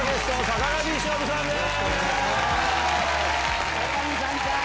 坂上さんか。